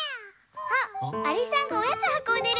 あっありさんがおやつはこんでるんだね。